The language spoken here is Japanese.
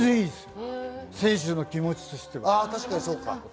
選手の気持ちとしては。